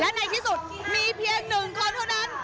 และในที่สุดมีเพียง๑คนเท่านั้น